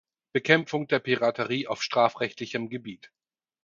Bekämpfung der Piraterie auf strafrechtlichem Gebiet.